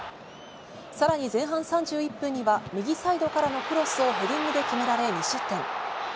さらに前半３１分には右サイドからのクロスをヘディングで決められ、２失点。